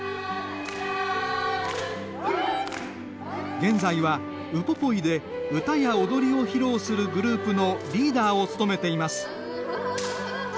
現在はウポポイで歌や踊りを披露するグループのリーダーを務めています。